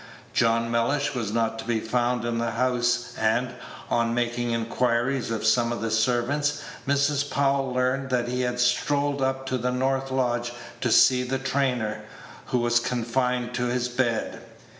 John Mellish was not to be found in the house, and, on making inquiries of some of the servants, Mrs. Powell learned that he had strolled up to the north lodge to see the trainer, who was confined to his bed.